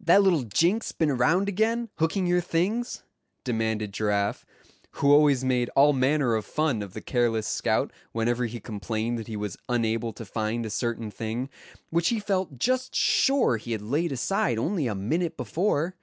"That little jinx been around again, hooking your things?" demanded Giraffe, who always made all manner of fun of the careless scout whenever he complained that he was unable to find a certain thing, which he felt just sure he had laid aside only a minute before.